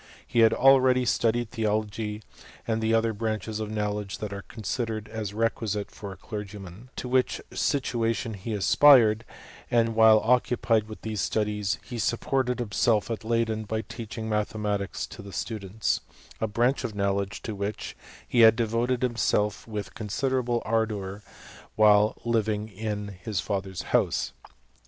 He had aireadj studied thedogj, and the other branches of knowledge diat are coo* sidered as requisite for a clergyman, to which sitna* tion he aspired ; and while occiqiied with theae studies he supported himself at Lejden by teaching mathe matics to the students — a branch of knowledge to which he had deroted himself with considerable ardour while living in his father's house.